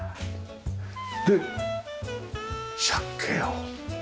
で借景よ！